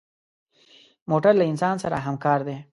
موټر له انسان سره همکار دی.